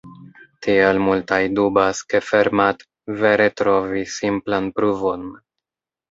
Tial multaj dubas, ke Fermat vere trovis simplan pruvon.